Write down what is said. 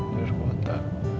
di luar kota